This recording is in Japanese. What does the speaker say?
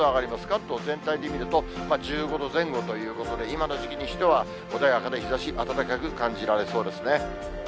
関東全体で見ると、１５度前後ということで、今の時期にしては、穏やかな日ざし、暖かく感じられそうですね。